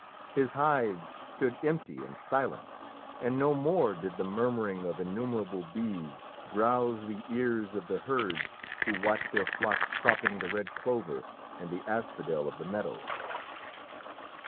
His hives stood empty and silent, and no more did "the murmuring of innumerable bees" drowse the ears of the herds who watched their flocks cropping the red clover and the asphodel of the meadows.